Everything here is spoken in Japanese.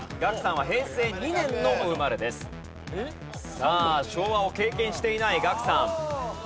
さあ昭和を経験していないガクさん。